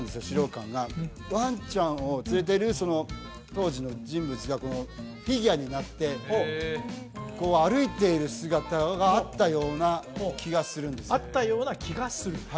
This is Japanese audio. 資料館がわんちゃんを連れている当時の人物がフィギュアになって歩いている姿があったような気がするんですねあったような気がする？